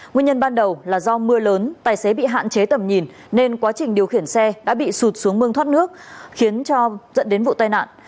nguyên nhân ban đầu là do mưa lớn tài xế bị hạn chế tầm nhìn nên quá trình điều khiển xe đã bị sụt xuống mương thoát nước khiến cho dẫn đến vụ tai nạn